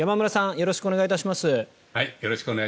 よろしくお願いします。